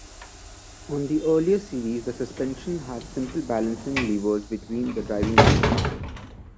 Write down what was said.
On the earlier series the suspension had simple balancing levers between the driving wheels.